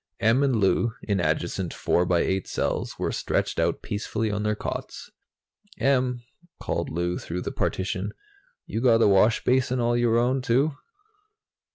Em and Lou, in adjacent four by eight cells, were stretched out peacefully on their cots. "Em," called Lou through the partition, "you got a washbasin all your own, too?"